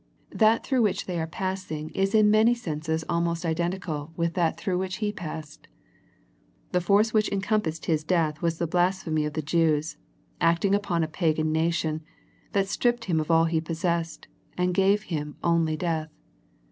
That through which they are passing is in many senses almost identical with that through which He has passed. The force which encompassed His death was the blas phemy of the Jews, acting upon a pagan na tion, that stripped Him of all He possessed, and gave Him only death.